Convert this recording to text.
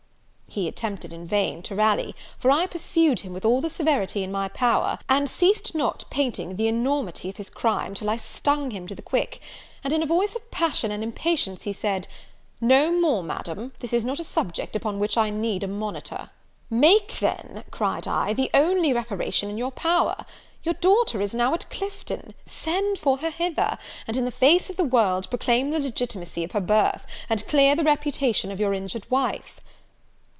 He attempted in vain to rally; for I pursued him with all the severity in my power, and ceased not painting the enormity of his crime till I stung him to the quick, and, in a voice of passion and impatience, he said, 'No more, Madam, this is not a subject upon which I need a monitor.' 'Make then,' cried I, 'the only reparation in your power. Your daughter is now at Clifton; send for her hither; and, in the face of the world, proclaim the legitimacy of her birth, and clear the reputation of your injured wife.'